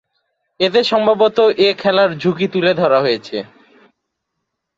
এতে সম্ভবত এ খেলার ঝুঁকি তুলে ধরা হয়েছে।